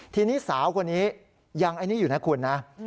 ทีนี้สาวคนนี้ยังไอ้นี่อยู่นะคุณนะ